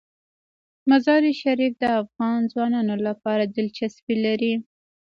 مزارشریف د افغان ځوانانو لپاره دلچسپي لري.